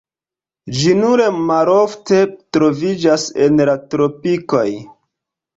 Ĝi nur malofte troviĝas en la tropikoj.